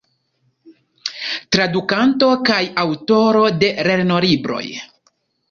Tradukanto kaj aŭtoro de lernolibroj.